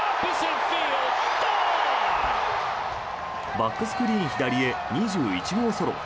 バックスクリーン左へ２１号ソロ。